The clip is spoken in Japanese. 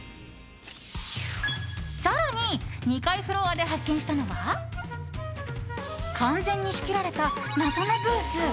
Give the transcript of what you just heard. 更に、２階フロアで発見したのは完全に仕切られた謎のブース。